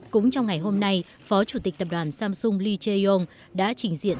cũng trong ngày hôm nay phó chủ tịch tập đoàn samsung lee jae yong đã trình diện